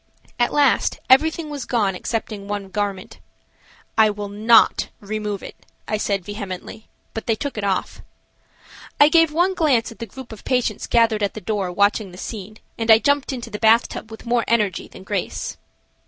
At last everything was gone excepting one garment. "I will not remove it," I said vehemently, but they took it off. I gave one glance at the group of patients gathered at the door watching the scene, and I jumped into the bathtub with more energy than grace.